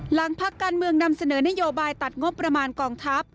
พักการเมืองนำเสนอนโยบายตัดงบประมาณกองทัพ